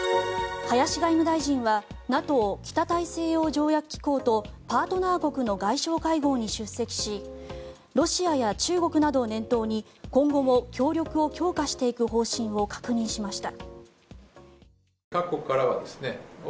林外務大臣はＮＡＴＯ・北大西洋条約機構とパートナー国の外相会合に出席しロシアや中国などを念頭に今後も協力を強化していく方針を確認しました。